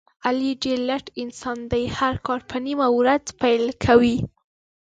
علي ډېر لټ انسان دی، هر کار په نیمه ورځ کې پیل کوي.